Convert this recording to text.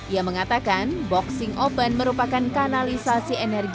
ia mengatakan boxing open merupakan kanalisasi energi